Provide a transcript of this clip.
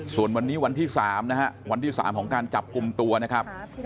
ส่วนวันนี้วันที่๓นะฮะวันที่๓ของการจับกลุ่มตัวนะครับ